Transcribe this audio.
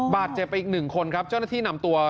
บาดเจ็บไปอีกหนึ่งคนครับเจ้าหน้าที่นำตัว